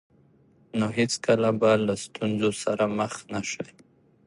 نو هېڅکله به له ستونزو سره مخ نه شئ.